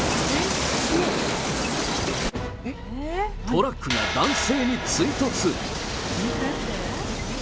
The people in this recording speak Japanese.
トラックが男性に追突。